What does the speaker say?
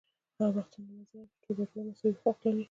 هغه وختونه له منځه لاړل چې ټول وګړي مساوي حقوق لري